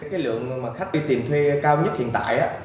cái lượng mà khách đi tìm thuê cao nhất hiện tại